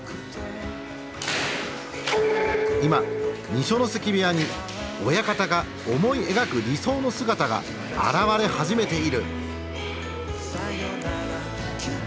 今二所ノ関部屋に親方が思い描く理想の姿が現れ始めている。